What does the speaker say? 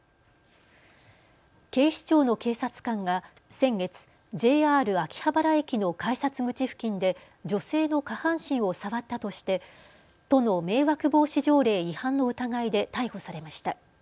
警視庁の警察官が先月、ＪＲ秋葉原駅の改札口付近で女性の下半身を触ったとして都の迷惑防止条例違反の疑いで逮捕されました。